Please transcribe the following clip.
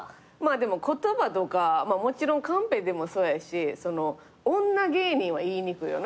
でも言葉とかもちろんカンペでもそうやし「女芸人」は言いにくいよな。